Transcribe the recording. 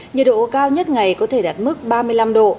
nhiệt độ cao nhất ngày có thể đạt mức ba mươi năm độ